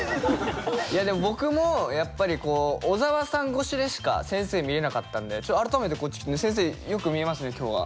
いやでも僕もやっぱりこう小沢さん越しでしか先生見えなかったんで改めてこっち来てね先生よく見えますね今日は。